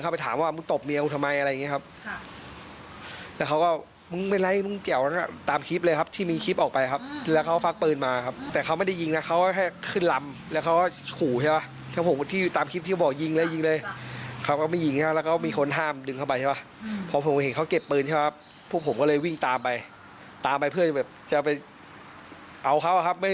ผมเห็นเขาเก็บปืนใช่ไหมครับพวกผมก็เลยวิ่งตามไปเพื่อจะไปเอาเขาครับ